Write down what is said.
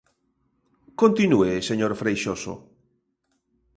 Continúe, señor Freixoso.